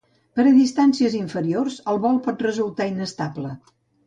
Per a distàncies inferiors el vol pot resultar inestable.